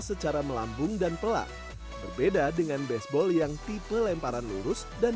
secara melambung dan pelat berbeda dengan baseball yang tipe lemparan lurus dan